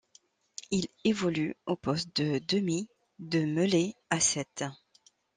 Il évolue au poste de demi de mêlée à sept.